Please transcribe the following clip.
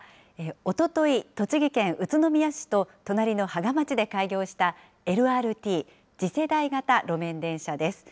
おととい、栃木県宇都宮市と隣の芳賀町で開業した、ＬＲＴ・次世代型路面電車です。